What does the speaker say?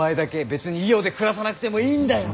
別に伊予で暮らさなくてもいいんだよ。